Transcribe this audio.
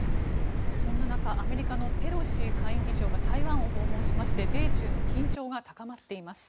そんな中、アメリカのペロシ下院議長が台湾を訪問しまして米中の緊張が高まっています。